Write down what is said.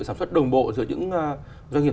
sản xuất đồng bộ giữa những doanh nghiệp